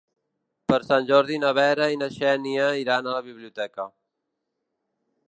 Per Sant Jordi na Vera i na Xènia iran a la biblioteca.